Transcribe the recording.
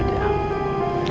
kamu tenang aja